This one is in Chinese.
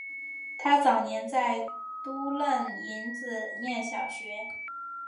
他早年在都楞营子念小学。